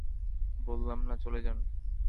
বললাম না চলে যান।